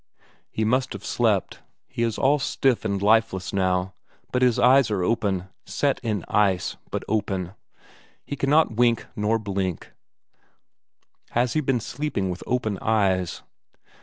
He must have slept; he is all stiff and lifeless now, but his eyes are open; set in ice, but open, he cannot wing nor blink has he been sleeping with open eyes?